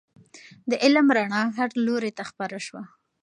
د علم رڼا هر لوري ته خپره سوه.